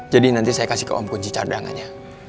jadi nanti saya kasih ke om kunci cadangannya